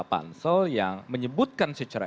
pansel yang menyebutkan secara